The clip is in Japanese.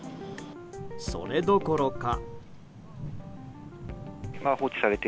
それどころか。